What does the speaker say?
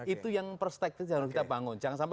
itu yang perspektif yang harus kita bangun jangan sampai